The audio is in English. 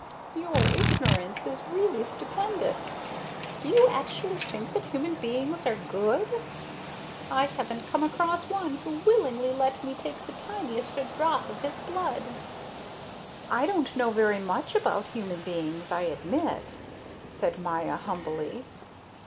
Your ignorance is really stupendous. Do you actually think that human beings are good? I haven't come across one who willingly let me take the tiniest drop of his blood." "I don't know very much about human beings, I admit," said Maya humbly.